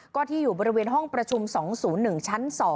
ก็ที่อยู่บริเวณห้องประชุม๒๐๑ชั้น๒